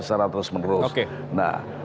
secara terus menerus nah